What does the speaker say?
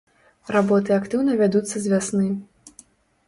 Работы актыўна вядуцца з вясны.